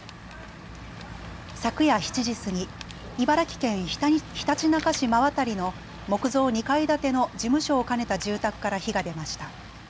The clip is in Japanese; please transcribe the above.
昨夜７時過ぎ、茨城県ひたちなか市馬渡の木造２階建ての事務所を兼ねた住宅から火が出ました。